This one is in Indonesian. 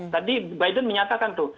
tadi biden menyatakan tuh